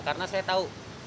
karena saya tahu